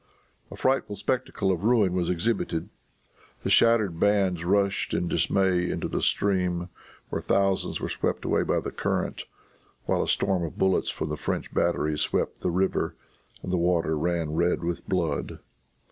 A frightful spectacle of ruin was exhibited. The shattered bands rushed in dismay into the stream, where thousands were swept away by the current, while a storm of bullets from the French batteries swept the river, and the water ran red with blood.